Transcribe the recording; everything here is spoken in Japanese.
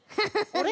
あれ？